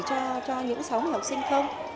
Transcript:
cho những sáu mươi học sinh không